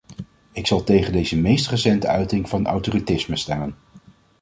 Ik zal tegen deze meest recente uiting van autoritarisme stemmen.